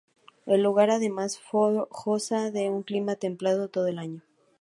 El lugar además goza de un clima templado todo el año.